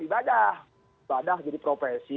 ibadah ibadah jadi profesi